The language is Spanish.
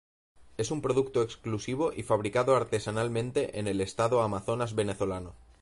Es un producto exclusivo y fabricado artesanalmente en el estado Amazonas venezolano.